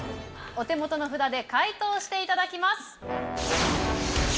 お手元の札で解答していただきます。